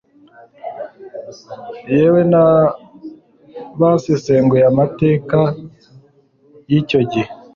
yemwe n'abasesenguye amateka y'icyo gihe